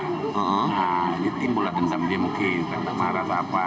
nah ditimbulkan sama dia mungkin marah apa